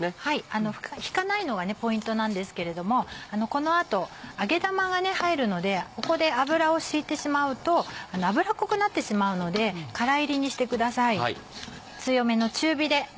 引かないのがポイントなんですけれどもこの後揚げ玉が入るのでここで油を引いてしまうと油っこくなってしまうのでからいりにしてください。